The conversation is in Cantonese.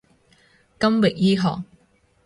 金域醫學